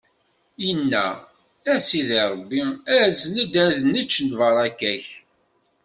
inna: A Sidi Ṛebbi, azen-d ad nečč lbaṛaka-k!